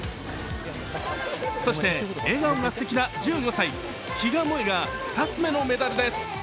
そして笑顔がすてきな１５歳、比嘉もえが２つ目のメダルです。